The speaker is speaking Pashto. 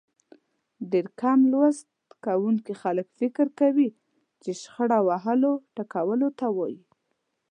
ډېری کم لوست کوونکي خلک فکر کوي چې شخړه وهلو ټکولو ته وايي.